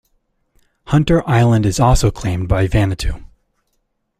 Hunter Island is also claimed by Vanuatu.